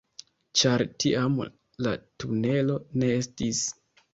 Ĉar tiam la tunelo ne estis